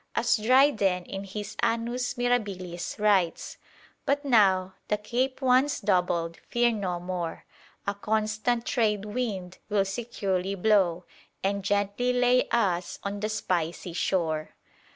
As Dryden in his Annus Mirabilis writes: "But now, the Cape once doubled, fear no more; A constant trade wind will securely blow And gently lay us on the spicy shore."